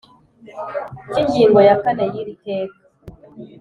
cy'ingingo ya kane y'iri teka,